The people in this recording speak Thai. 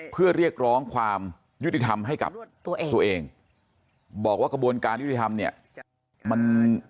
เพื่อเรียกร้องความยุติธรรมให้กับตัวเองตัวเองบอกว่ากระบวนการยุติธรรมเนี่ยมัน